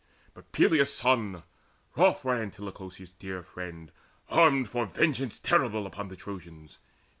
But Peleus' son, wroth for Antilochus His dear friend, armed for vengeance terrible Upon the Trojans.